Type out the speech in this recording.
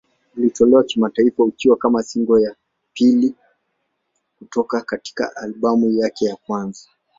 Ulitolewa kimataifa ukiwa kama single ya pili kutoka katika albamu yake ya kwanza.